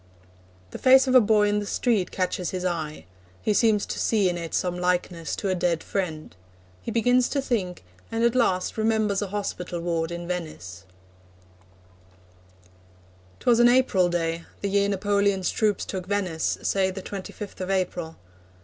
The face of a boy in the street catches his eye. He seems to see in it some likeness to a dead friend. He begins to think, and at last remembers a hospital ward in Venice: 'Twas an April day, The year Napoleon's troops took Venice say The twenty fifth of April.